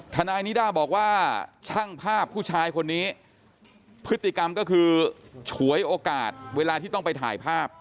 ทนายนิด้าบอกว่าช่างภาพผู้ชายคนนี้พฤติกรรมก็คือฉวยโอกาสเวลาที่ต้องไปถ่ายภาพ